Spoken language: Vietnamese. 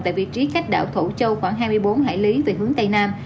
tại vị trí cách đảo thổ châu khoảng hai mươi bốn hải lý về hướng tây nam